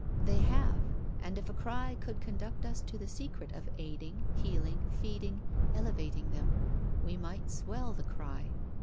They have; and if a cry could conduct us to the secret of aiding, healing, feeding, elevating them, we might swell the cry.